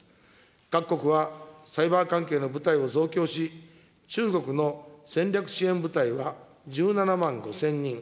各国はサイバー関係の部隊を増強し、中国の戦略支援部隊は１７万５０００人。